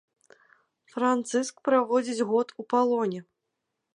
Францыск праводзіць год у палоне.